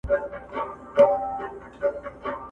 نور ټول خلګ داسې اوسې